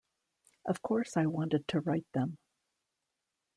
Of course I wanted to write them!